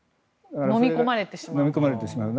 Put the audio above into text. のみ込まれてしまう。